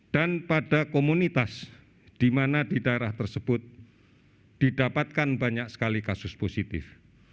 dan pada komunitas di mana di daerah tersebut didapatkan banyak sekali kasus positif